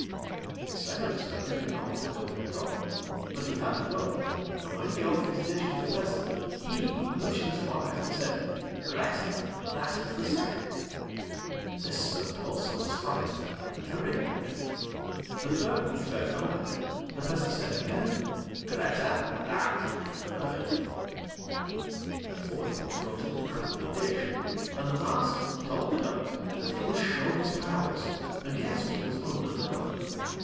The second Servant did not want to go in at all, but he had to go, and when he offered his dish to the Peasant he nudged his wife, and said 'Grethe, that is the second.' This Servant also was frightened and hurried out. The third one fared no better. The Peasant said again: 'Grethe, that is the third.' The fourth one brought in a covered dish, and the master told the Doctor that he must show his powers and guess what was under the cover.